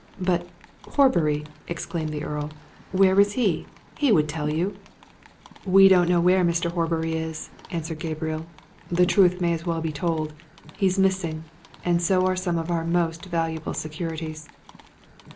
"But Horbury?" exclaimed the Earl. "Where is he? He would tell you!" "We don't know where Mr. Horbury is," answered Gabriel "The truth may as well be told he's missing. And so are some of our most valuable securities."